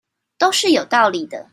都是有道理的